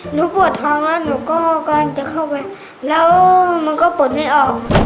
หนูปวดท้องแล้วหนูก็กำลังจะเข้าไปแล้วมันก็ปลดไม่ออก